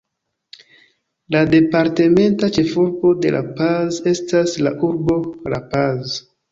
La departementa ĉefurbo de La Paz estas la urbo La Paz.